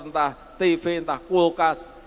entah tv entah kulkas